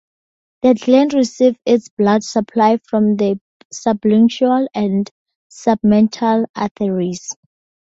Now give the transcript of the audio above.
The gland receives its blood supply from the sublingual and submental arteries.